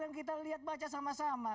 yang kita lihat baca sama sama